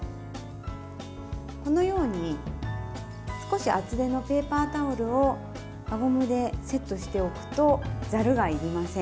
このように少し厚手のペーパータオルを輪ゴムでセットしておくとざるがいりません。